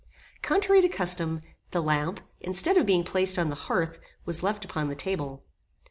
Contrary to custom, the lamp, instead of being placed on the hearth, was left upon the table.